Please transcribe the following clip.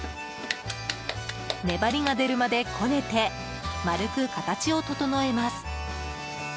粘りが出るまでこねて丸く形を整えます。